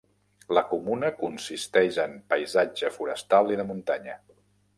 La comuna consisteix en paisatge forestal i de muntanya.